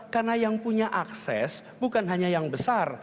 karena yang punya akses bukan hanya yang besar